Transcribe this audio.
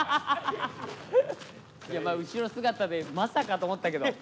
いや後ろ姿でまさかと思ったけど。